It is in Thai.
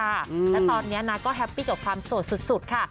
และตอนนี้นะก็แฮปปี้กับความโสดสุดค่ะ